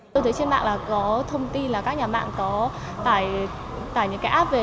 tôi thấy trên mạng là có thông tin là các nhà mạng có tải những cái app về